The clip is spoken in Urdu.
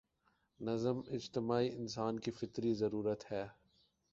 نظم اجتماعی انسان کی فطری ضرورت ہے۔